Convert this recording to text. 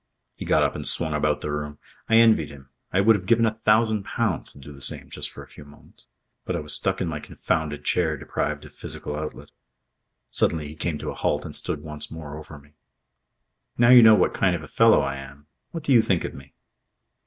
He got up and swung about the room. I envied him, I would have given a thousand pounds to do the same just for a few moments. But I was stuck in my confounded chair, deprived of physical outlet. Suddenly he came to a halt and stood once more over me. "Now you know what kind of a fellow I am, what do you think of me?"